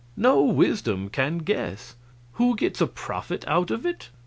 No wisdom can guess! Who gets a profit out of it?